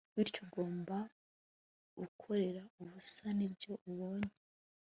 bityo ugahora ukorera ubusa, n'ibyo ubonye